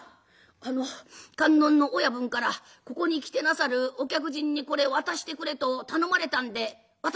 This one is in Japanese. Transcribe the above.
あの観音の親分からここに来てなさるお客人にこれ渡してくれと頼まれたんで渡しますよ」。